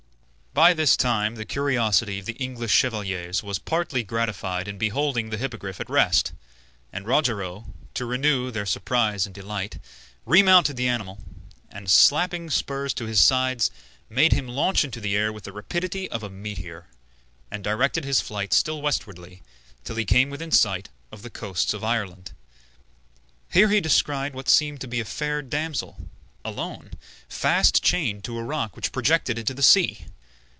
By this time the curiosity of the English chevaliers was partly gratified in beholding the Hippogriff at rest, and Rogero, to renew their surprise and delight, remounted the animal, and, slapping spurs to his sides, made him launch into the air with the rapidity of a meteor, and directed his flight still westwardly, till he came within sight of the coasts of Ireland. Here he descried what seemed to be a fair damsel, alone, fast chained to a rock which projected into the sea.